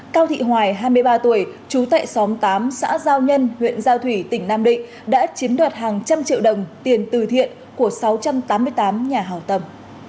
cao thị hoài hai mươi ba tuổi trú tại xóm tám xã giao nhân huyện giao thủy tỉnh nam định đã chiếm đoạt hàng trăm triệu đồng tiền từ thiện của sáu trăm tám mươi tám nhà hào tâm